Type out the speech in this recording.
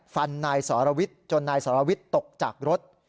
ฟันนายสรวิทย์จนนายสรวิทย์ตกจากรถ